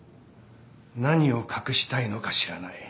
何を隠したいのか知らない。